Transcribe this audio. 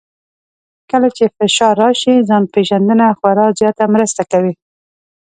کله چې فشار راشي، ځان پېژندنه خورا زیاته مرسته کوي.